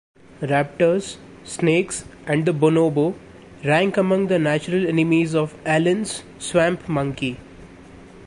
Raptors, snakes, and the bonobo rank among the natural enemies of Allen's swamp monkey.